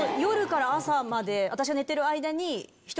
私が寝てる間に。